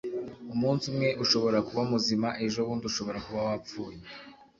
umunsi umwe ushobora kuba muzima ejobundi ushobora kuba wapfuye